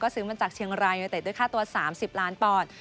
ซื้อมาจากเชียงรายยูเต็ดด้วยค่าตัว๓๐ล้านปอนด์